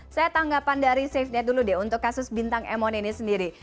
saya tanggapan dari safenet dulu deh untuk kasus bintang emon ini sendiri